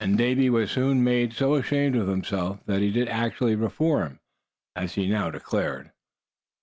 And Davy was soon made so ashamed of himself that he did actually "reform," as he now declared.